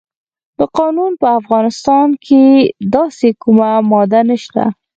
د افغانستان په قانون کې داسې کومه ماده نشته.